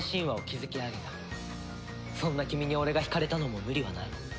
そんな君に俺が惹かれたのも無理はない。